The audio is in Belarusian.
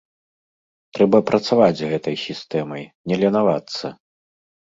Трэба працаваць з гэтай сістэмай, не ленавацца.